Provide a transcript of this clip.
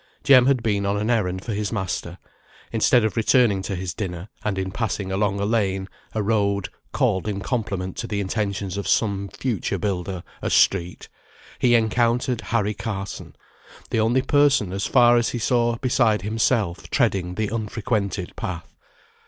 Jem had been on an errand for his master, instead of returning to his dinner; and in passing along a lane, a road (called, in compliment to the intentions of some future builder, a street), he encountered Harry Carson, the only person, as far as he saw beside himself, treading the unfrequented path.